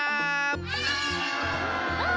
はい！